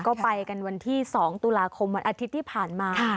ก็ไปกันวันที่๒ตุลาคมวันอาทิตย์ที่ผ่านมา